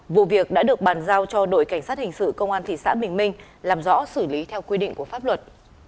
vụ việc đã được bàn giao cho đội cảnh sát hình sự công an thị xã bình minh làm rõ xử lý theo quy định của pháp luật